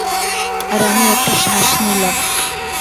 আর আমি একটা শ্বাস নিলাম।